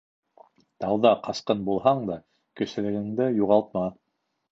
Тауҙа ҡасҡын булһаң да, кешелегеңде юғалтма.